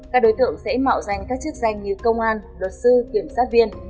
các đối tượng sẽ mạo danh các chức danh như công an luật sư kiểm soát viên